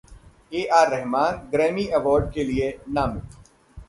ए. R. Rahman Grammy award के लिये नामित